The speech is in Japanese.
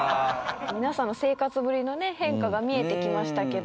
皆さんの生活ぶりのね変化が見えてきましたけど。